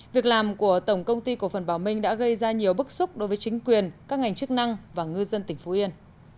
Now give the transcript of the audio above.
việc làm của tổng công ty cổ phần bảo minh đã gây ra nhiều bức xúc đối với chính quyền các ngành chức năng và ngư dân tỉnh phú yên